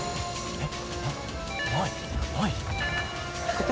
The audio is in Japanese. えっ？